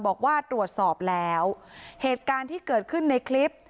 บอกว่าตรวจสอบแล้วเหตุการณ์ที่เกิดขึ้นในคลิป